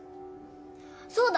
そうだ！